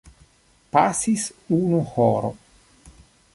Pasis unu horo.